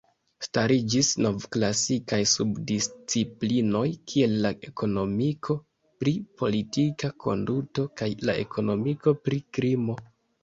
Stariĝis novklasikaj subdisciplinoj kiel la ekonomiko pri politika konduto kaj la ekonomiko pri krimo.